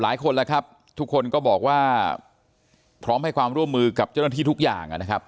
หลายคนแล้วครับทุกคนก็บอกว่าพร้อมให้ความร่วมมือกับเจ้าหน้าที่ทุกอย่างนะครับ